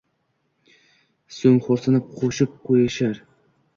So’ng xo’rsinib qo’shib qo’yishar: